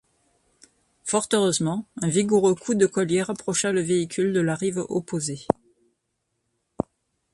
Fort heureusement, un vigoureux coup de collier rapprocha le véhicule de la rive opposée.